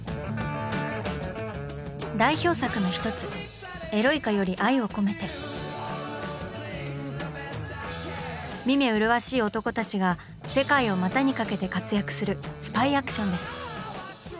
代表作の１つ見目麗しい男たちが世界を股にかけて活躍するスパイアクションです。